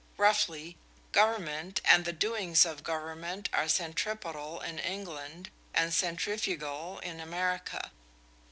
Roughly, Government and the doings of Government are centripetal in England, and centrifugal in America.